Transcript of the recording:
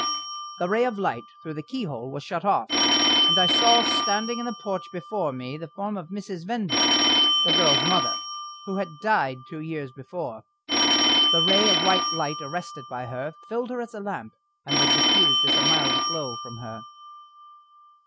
The ray of light through the keyhole was shut off, and I saw standing in the porch before me the form of Mrs. Venville, the girl's mother, who had died two years before. The ray of white light arrested by her filled her as a lamp was diffused as a mild glow from her.